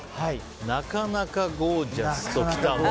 なかなかゴージャスときた。